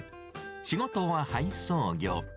仕事は配送業。